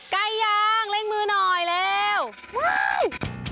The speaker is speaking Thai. ใกล้ยังเร่งมือหน่อยเลย